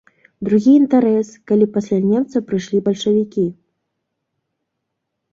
Другі інтарэс, калі пасля немцаў прыйшлі бальшавікі.